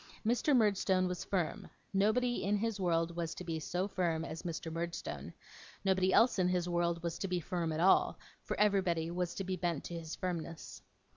Mr. Murdstone was firm; nobody in his world was to be so firm as Mr. Murdstone; nobody else in his world was to be firm at all, for everybody was to be bent to his firmness.